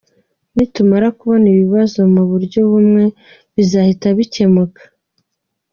Nitumara kubona ikibazo mu buryo bumwe bizahita bikemuka.